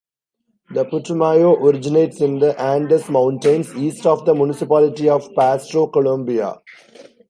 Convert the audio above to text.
The Putumayo originates in the Andes Mountains east of the municipality of Pasto, Colombia.